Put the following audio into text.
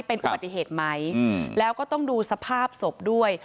เป็นอุบัติเหตุไหมแล้วก็ต้องดูสภาพศพด้วย